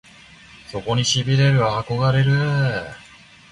そこに痺れる憧れるぅ！！